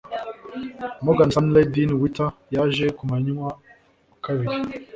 Morgan Stanley Dean Witter yaje ku mwanya wa kabiri